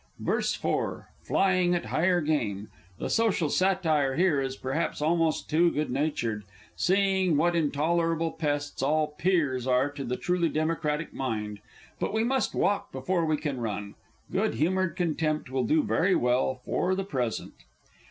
_ VERSE IV. (_Flying at higher game. The social satire here is perhaps almost too good natured, seeing what intolerable pests all Peers are to the truly Democratic mind. But we must walk before we can run. Good humoured contempt will do very well, for the present.